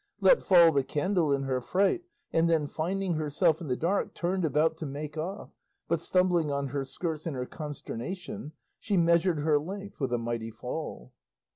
let fall the candle in her fright, and then finding herself in the dark, turned about to make off, but stumbling on her skirts in her consternation, she measured her length with a mighty fall.